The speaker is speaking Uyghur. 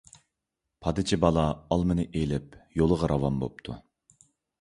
پادىچى بالا ئالمىنى ئېلىپ، يولىغا راۋان بوپتۇ.